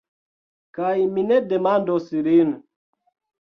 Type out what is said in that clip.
Kaj mi ne demandos lin.